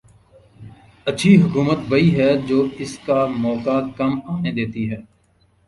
اچھی حکومت وہی ہے جو اس کا موقع کم آنے دیتی ہے۔